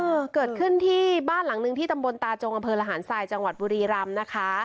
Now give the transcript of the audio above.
เออเกิดขึ้นที่บ้านหลังนึงที่ตำบลตาจงอำเภอระหารทรายจังหวัดบุรีรำนะคะ